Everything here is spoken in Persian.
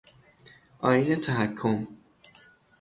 آئین تحکم